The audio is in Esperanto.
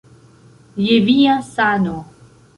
Je via sano